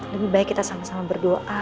lebih baik kita sama sama berdoa